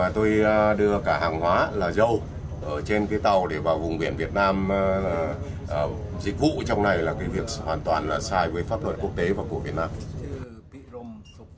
tôi đưa cả hàng hóa là dâu ở trên cái tàu để vào vùng biển việt nam dịch vụ trong này là cái việc hoàn toàn là sai với pháp luật quốc tế và của việt nam